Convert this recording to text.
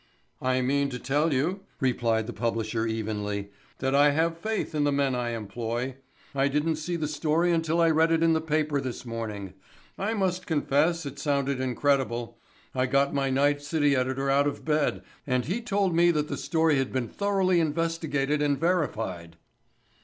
"I mean to tell you," replied the publisher evenly, "that I have faith in the men I employ. I didn't see the story until I read it in the paper this morning. I must confess it sounded incredible. I got my night city editor out of bed and he told me that the story had been thoroughly investigated and verified."